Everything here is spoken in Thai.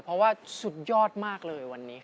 เพราะว่าสุดยอดมากเลยวันนี้